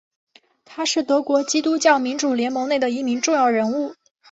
他是德国基督教民主联盟内的一名重要人物。